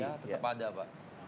ya tetap ada pak